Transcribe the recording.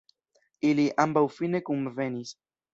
Ili ambaŭ fine kunvenis.